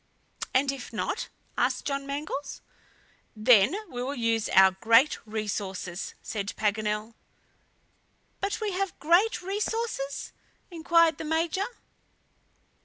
"And if not?" asked John Mangles. "Then we will use our great resources," said Paganel. "But have we great resources?" inquired the Major.